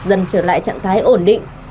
dần trở lại trạng thái ổn định